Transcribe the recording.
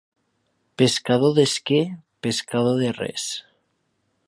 Pescador d'esquer, pescador de res.